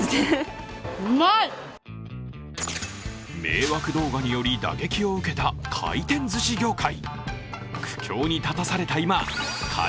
迷惑動画により打撃を受けた回転ずし業界。